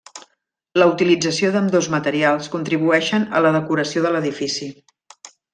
La utilització d'ambdós materials contribueixen a la decoració de l'edifici.